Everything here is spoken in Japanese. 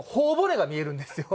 頬骨が見えるんですよ。